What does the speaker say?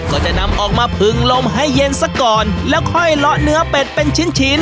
ก็จะนำออกมาผึงลมให้เย็นซะก่อนแล้วค่อยเลาะเนื้อเป็ดเป็นชิ้นชิ้น